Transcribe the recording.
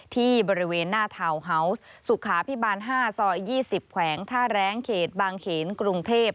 ที่บริเวณหน้าทาวน์ฮาวส์สุขาพิบาล๕ซอย๒๐แขวงท่าแรงเขตบางเขนกรุงเทพ